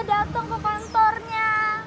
dateng ke kantornya